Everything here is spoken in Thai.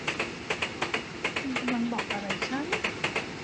คุณกำลังบอกอะไรฉัน